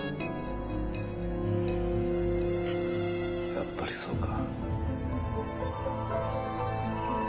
やっぱりそうか。